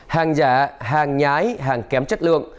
hàng giả hàng nhái hàng kém chất lượng